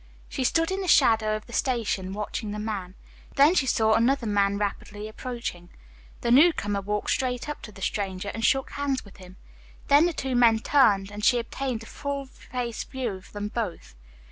She stood in the shadow of the station watching the man. Then she saw another man rapidly approaching. The newcomer walked straight up to the stranger and shook hands with him. Then the two men turned and she obtained a full face view of them both.